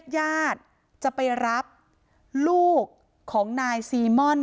ญาติจะไปรับลูกของนายซีม่อน